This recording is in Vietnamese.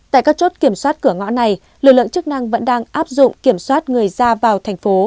tại các chốt kiểm soát cửa ngõ này lực lượng chức năng vẫn đang áp dụng kiểm soát người ra vào thành phố